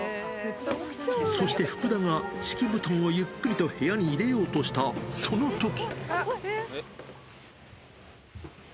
そして福田が敷布団をゆっくりと部屋に入れようとした、そのとき。